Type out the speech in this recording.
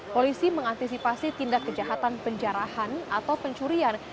polisi mengantisipasi tindak kejahatan penjarahan atau pencurian